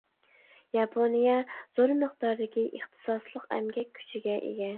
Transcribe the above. ياپونىيە زور مىقداردىكى ئىختىساسلىق ئەمگەك كۈچىگە ئىگە.